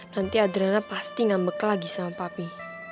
nanti adrena pasti enggak bekel lagi sama papi